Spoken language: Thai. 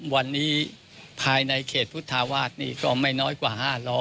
วันนี้ภายในเขตพุทธาวาสนี่ก็ไม่น้อยกว่า๕๐๐